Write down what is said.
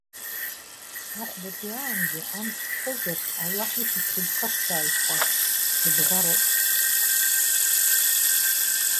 Ахәбатәи аангьы амц сҳәозар, Аллаҳ ишәиԥхьыӡ сақәшәааит!- ҳәа дыбӷароуп.